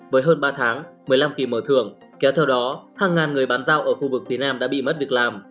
với hơn ba tháng một mươi năm kỳ mở thưởng kéo theo đó hàng ngàn người bán giao ở khu vực phía nam đã bị mất việc làm